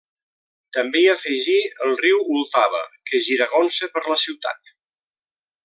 També i afegí el riu Vltava, que giragonsa per la ciutat.